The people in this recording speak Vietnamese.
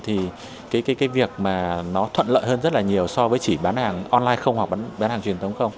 thì việc thuận lợi hơn rất nhiều so với chỉ